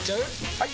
・はい！